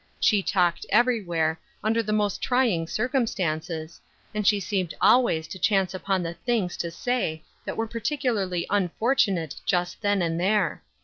She talked everywhere, under the most trying circumstances, and she seemed always to chance upon the things to say that were particularly unfortunate just then and there.